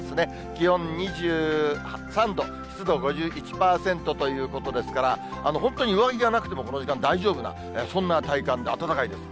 気温２３度、湿度５１％ということですから、本当に上着がなくてもこの時間、大丈夫な、そんな体感、暖かいです。